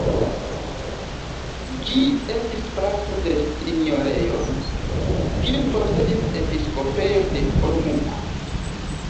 Ĝi estis parto de sinjorejo, kiun posedis episkopejo de Olomouc.